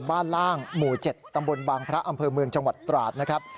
ล่างหมู่๗ตำบลบางพระอำเภอเมืองจังหวัดตราดนะครับ